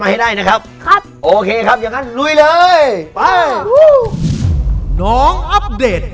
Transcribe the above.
ให้ได้นะครับครับโอเคครับอย่างนั้นลุยเลยไปน้องอัปเดต